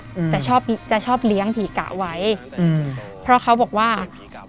อืมแต่ชอบจะชอบเลี้ยงผีกะไว้อืมเพราะเขาบอกว่าผีกะ